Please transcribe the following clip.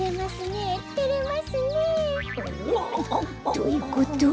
どういうこと？